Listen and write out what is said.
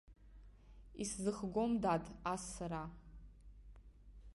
Исзыхгом, дад, ас сара.